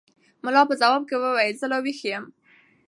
ملا په ځواب کې وویل چې زه لا ویښ یم.